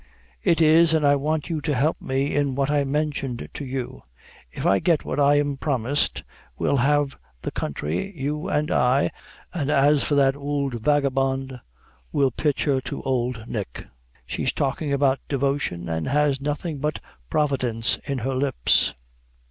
"It is an' I want you to help me in what I mentioned to you. If I get what I'm promised, we'll lave the country, you and I, and as for that ould vagabond, we'll pitch her to ould Nick. She's talking about devotion and has nothing but Providence in her lips."